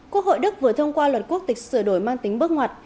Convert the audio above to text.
quốc hội đức vừa thông qua luật quốc tịch sửa đổi mang tính bước ngoặt